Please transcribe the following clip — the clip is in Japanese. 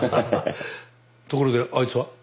ところであいつは？